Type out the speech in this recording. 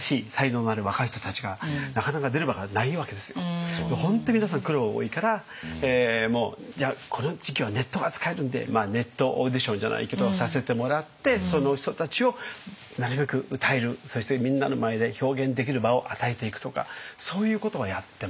なかなかこの本当皆さん苦労多いからこの時期はネットが使えるんでネットオーディションじゃないけどさせてもらってその人たちをなるべく歌えるそしてみんなの前で表現できる場を与えていくとかそういうことはやってますね。